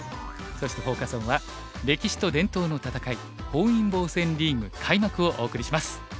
そしてフォーカス・オンは「歴史と伝統の闘い本因坊戦リーグ開幕」をお送りします。